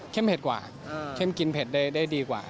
เผ็ดกว่าเข้มกินเผ็ดได้ดีกว่า